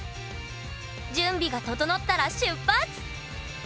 準備が整ったら出発！